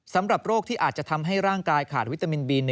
สำหรับโรคที่อาจจะทำให้ร่างกายขาดวิตามินบิน